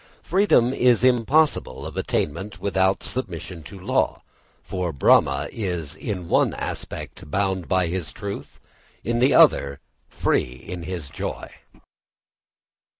] Freedom is impossible of attainment without submission to law, for Brahma is in one aspect bound by his truth, in the other free in his joy.